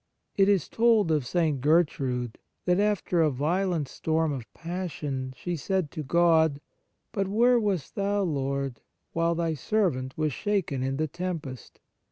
It is told of St. Ger trude that after a violent storm of passion, she said to God :" But where wast Thou, Lord, while Thy servant was shaken in the tempest